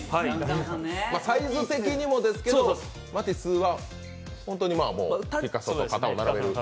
サイズ的にもですけどマティスは本当にピカソと肩を並べる。